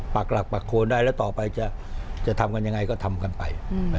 ปากหลักปากโคนได้แล้วต่อไปจะทำกันยังไงก็ทำกันไป